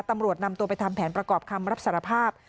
ตำรวจนำตัวไปทำแผนประกอบคำรับสารภาพ